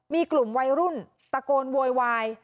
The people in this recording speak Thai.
มีกลุ่มวัยรุ่นตะโกนโวยวาย